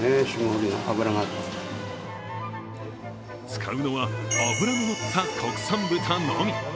使うのは脂ののった国産豚のみ。